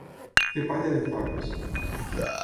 Fer palla de faves.